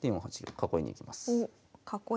囲いに行きます。